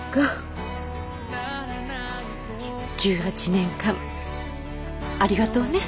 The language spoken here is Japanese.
１８年間ありがとうね。